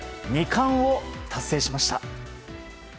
２冠を達成しました。